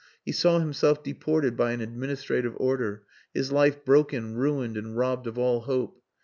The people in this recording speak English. He saw himself deported by an administrative order, his life broken, ruined, and robbed of all hope.